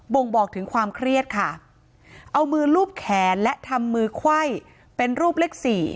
่งบอกถึงความเครียดค่ะเอามือลูบแขนและทำมือไขว้เป็นรูปเลขสี่